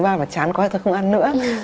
và chán quá rồi không ăn nữa